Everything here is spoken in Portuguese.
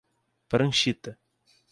Pranchita